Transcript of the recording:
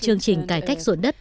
chương trình cải cách ruộng đất